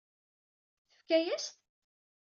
Tefka-yas-t?